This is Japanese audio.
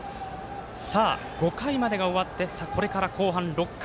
５回までが終わってこれから後半、６回。